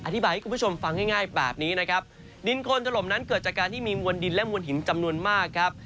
อธิบายให้คุณผู้ชมฟังง่ายแบบนี้นะครับดินโคนถล่มนั้นเกิดจากการที่มีมวลดินและมวลหินจำนวนมากครับ